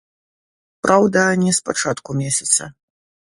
Праўда, не з пачатку месяца.